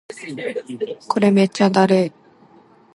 これめっちゃだるい